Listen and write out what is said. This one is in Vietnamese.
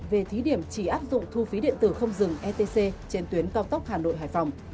về thí điểm chỉ áp dụng thu phí điện tử không dừng etc trên tuyến cao tốc hà nội hải phòng